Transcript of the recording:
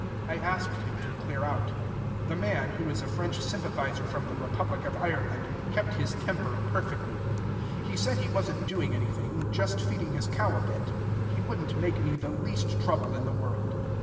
I asked him to clear out. The man, who is a French sympathizer from the Republic of Ireland, kept his temper perfectly. He said he wasn't doing anything, just feeding his cow a bit: he wouldn't make me the least trouble in the world.